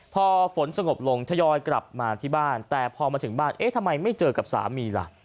พอฝนสงบลงทยอยกลับมาที่บ้านแต่พอมาถึงบ้านเอ๊ะทำไมไม่เจอกับสามีล่ะ